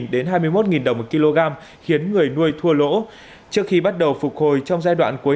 đến hai mươi một đồng một kg khiến người nuôi thua lỗ trước khi bắt đầu phục hồi trong giai đoạn cuối